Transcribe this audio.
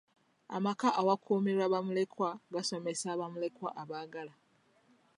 Amaka awakuumirwa bamulekwa gasomesa bamulekwa abaagala.